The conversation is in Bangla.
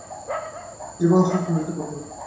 যেভাবেই হোক, নদীটা পার কর।